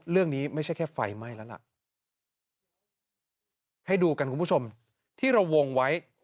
เรื่องนี้ไม่ใช่แค่ไฟไหม้ละละดูกันคุณผู้ชมที่เราวงไว้